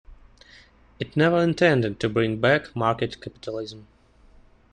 It never intended to bring back market capitalism.